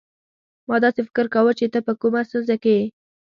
ما داسي فکر کاوه چي ته په کومه ستونزه کې يې.